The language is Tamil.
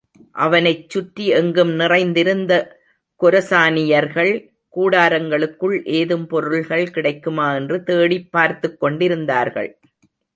அவனைச்சுற்றி எங்கும் நிறைந்திருந்த கொரசானியர்கள் கூடாரங்களுக்குள் ஏதும் பொருள்கள் கிடைக்குமா என்று தேடிப் பார்த்துக் கொண்டிருந்தார்கள்.